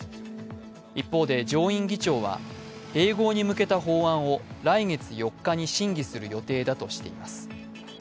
一方で、上院議長は併合に向けた法案を来月４日に審議する予定だとしています。